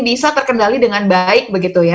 bisa terkendali dengan baik begitu ya